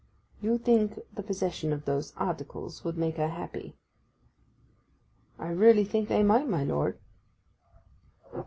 'You think the possession of those articles would make her happy?' 'I really think they might, my lord.